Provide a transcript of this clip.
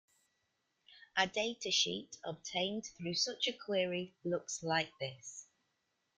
A data sheet obtained through such a query looks like this.